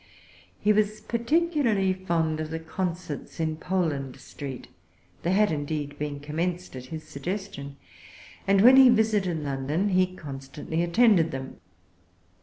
He was particularly fond of the concerts in Poland Street. They had, indeed, been commenced at his suggestion, and when he visited London he constantly attended them.